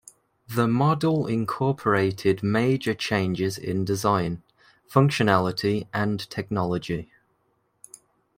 The model incorporated major changes in design, functionality and technology.